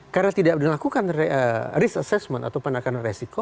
karena tidak dilakukan risk assessment atau penakanan resiko